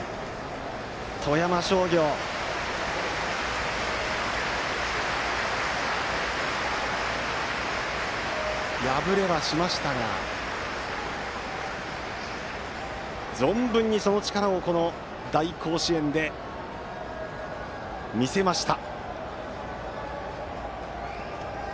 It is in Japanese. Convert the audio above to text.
富山商業は敗れはしましたが存分にその力をこの大甲子園で見せました。